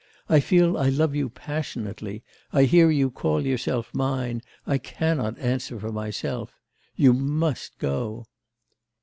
I feel I love you passionately, I hear you call yourself mine, I cannot answer for myself... You must go!